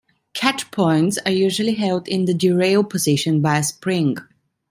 Catch points are usually held in the 'derail' position by a spring.